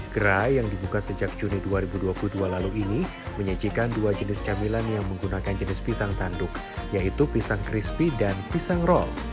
gerai yang dibuka sejak juni dua ribu dua puluh dua lalu ini menyajikan dua jenis camilan yang menggunakan jenis pisang tanduk yaitu pisang crispy dan pisang roll